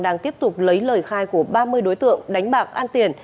đang tiếp tục lấy lời khai của ba mươi đối tượng đánh bạc an tiền